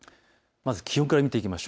まず気温からです。